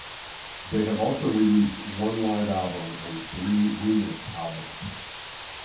They have also released one live album and three remix albums.